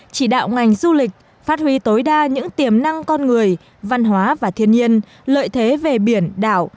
chỉ đạo ngành du lịch phát huy tối đa những tiềm năng con người văn hóa và thiên nhiên lợi thế về biển đảo